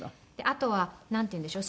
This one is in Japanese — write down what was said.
あとはなんていうんでしょう。